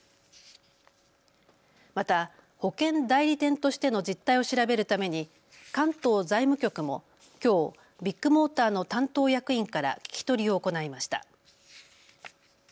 また保険代理店としての実態を調べるために関東財務局もきょうビッグモーターの担当役員から聞き取りを行いました。